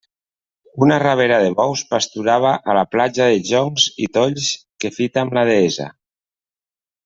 Una rabera de bous pasturava a la platja de joncs i tolls que fita amb la Devesa.